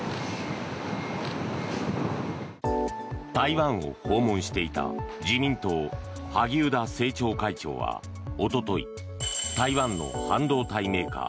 台湾を訪問していた自民党、萩生田政調会長はおととい、台湾の半導体メーカー